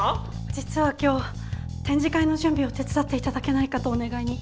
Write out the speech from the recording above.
実は今日展示会の準備を手伝って頂けないかとお願いに。